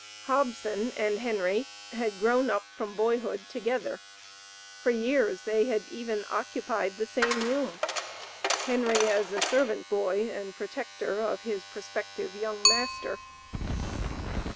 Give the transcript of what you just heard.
Hobson and Henry had grown up from boyhood together; for years they had even occupied the same room, Henry as a servant boy and protector of his prospective young master.